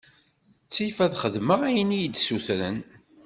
Ttif ad xedmeɣ ayen iyi-d-ssutren.